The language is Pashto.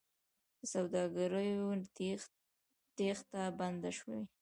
د سوداګرو تېښته بنده شوې؟